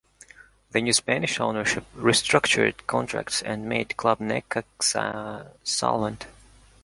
The new Spanish ownership restructured contracts and made Club Necaxa solvent.